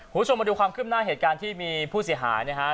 คุณผู้ชมมาดูความขึ้นหน้าเหตุการณ์ที่มีผู้เสียหายนะฮะ